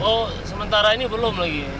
oh sementara ini belum lagi